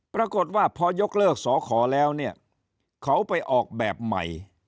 ปรากฏว่าพอยกเลิกสอขอแล้วเนี่ยเขาไปออกแบบใหม่